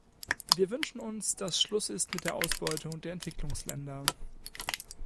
Wir wünschen uns, dass Schluss ist mit der Ausbeutung der Entwicklungsländer.